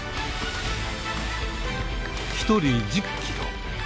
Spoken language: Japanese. １人１０キロ。